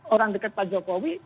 orang dekat pak jokowi